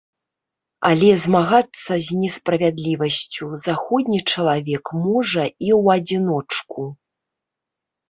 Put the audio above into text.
Але змагацца з несправядлівасцю заходні чалавек можа і ў адзіночку.